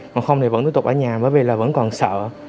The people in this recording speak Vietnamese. còn không thì vẫn tiếp tục ở nhà bởi vì là vẫn còn sợ